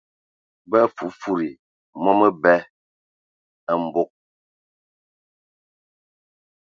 Ba fufudi mɔ məbɛ a mbog.